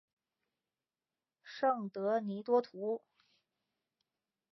圣德尼多图。